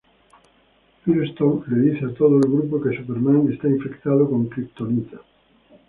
Firestorm le dice a todo el grupo que Superman está infectado con Kryptonita.